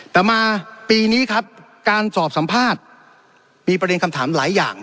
แต่มาปีนี้ครับการสอบสัมภาษณ์มีประเด็นคำถามหลายอย่าง